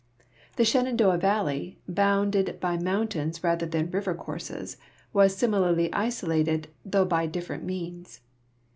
The Shenandoah valle\', I>ounded hv mountains rather than river courses, was similarly isolated, though \)y different means.